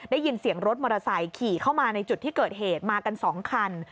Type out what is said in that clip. ได้ยินเสียงรถมอเตอร์ไซค์ขี่เข้ามาในจุดที่เกิดเหตุมากัน๒คัน